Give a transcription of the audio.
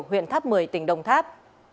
huyện tháp một mươi tỉnh đồng tháp